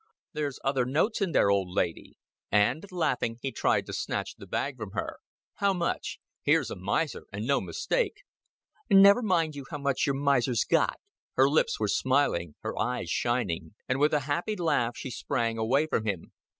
"There's other notes in there, old lady;" and, laughing, he tried to snatch the bag from her. "How much? Here's a miser, and no mistake." "Never you mind how much your miser's got." Her lips were smiling, her eyes shining, and with a happy laugh she sprang away from him.